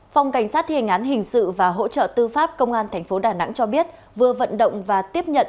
phòng cảnh sát thiền án hình sự và hỗ trợ tư pháp công an tp đà nẵng cho biết vừa vận động và tiếp nhận